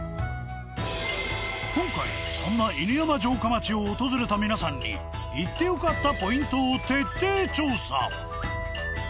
今回そんな犬山城下町を訪れた皆さんに行って良かったポイントを徹底調査。